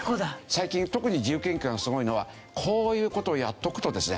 最近特に自由研究すごいのはこういう事をやっておくとですね